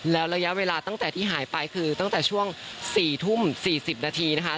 แล้วระยะเวลาตั้งแต่ที่หายไปคือตั้งแต่ช่วง๔ทุ่ม๔๐นาทีนะคะ